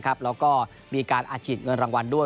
แล้วก็มีการอาจฉีดเงินรางวัลด้วย